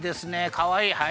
かわいい！